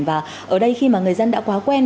và ở đây khi mà người dân đã quá quen